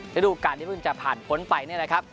ฤดูการที่เพิ่งจะผ่านพ้นไปเนี่ยนะครับ